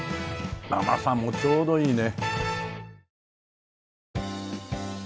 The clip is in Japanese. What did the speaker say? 甘さもちょうどいいね。